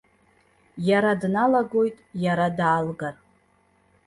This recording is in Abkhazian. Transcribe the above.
Иара дналагоит, иара даалгар.